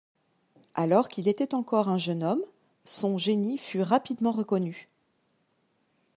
Alors qu'il était encore un jeune homme, son génie fut rapidement reconnu.